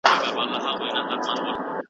د بېوزلان ناول په پښتو ژبه کې هم شته دی.